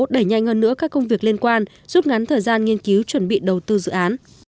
đẩy nhanh hơn nữa các công việc liên quan rút ngắn thời gian nghiên cứu chuẩn bị đầu tư dự án